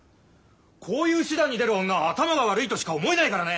こういう手段に出る女は頭が悪いとしか思えないからね！